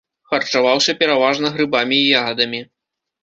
Харчаваўся пераважна грыбамі і ягадамі.